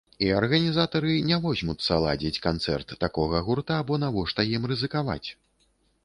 І арганізатары не возьмуцца ладзіць канцэрт такога гурта, бо навошта ім рызыкаваць.